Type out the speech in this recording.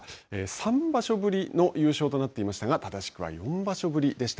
三場所ぶりの優勝となっていましたが、正しくは四場所ぶりでした。